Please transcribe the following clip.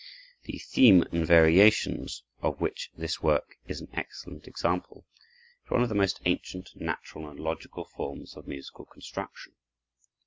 The "theme and variations," of which this work is an excellent example, is one of the most ancient, natural, and logical forms of musical construction.